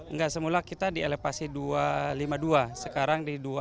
enggak semula kita di elevasi dua ratus lima puluh dua sekarang di dua ratus empat puluh lima